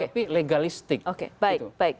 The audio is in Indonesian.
tapi legalistik oke baik